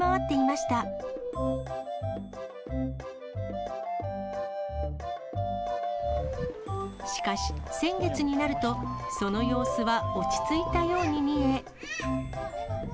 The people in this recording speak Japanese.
しかし、先月になると、その様子は落ち着いたように見え。